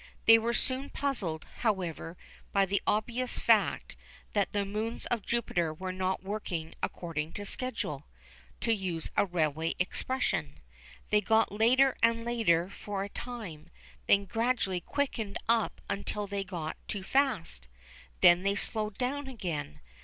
They were soon puzzled, however, by the obvious fact that the moons of Jupiter were not working according to schedule, to use a railway expression. They got later and later for a time, and then gradually quickened up until they got too fast. Then they slowed down again.